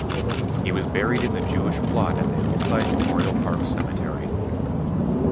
He was buried in the Jewish plot at the Hillside Memorial Park Cemetery.